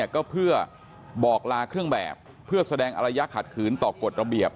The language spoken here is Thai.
ก็เพื่อบอกลาเครื่องแบบเพื่อแสดงอารยะขัดขืนต่อกฎระเบียบ